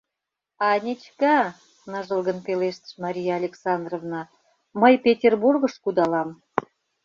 — Анечка, — ныжылгын пелештыш Мария Александровна, — мый Петербургыш кудалам.